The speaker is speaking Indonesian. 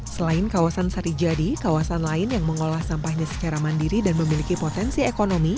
selain kawasan sarijadi kawasan lain yang mengolah sampahnya secara mandiri dan memiliki potensi ekonomi